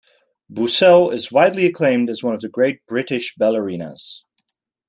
Bussell is widely acclaimed as one of the great British ballerinas.